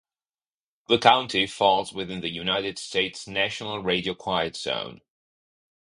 The county falls within the United States National Radio Quiet Zone.